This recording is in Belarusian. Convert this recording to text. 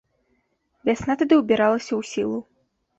Вясна тады ўбіралася ў сілу.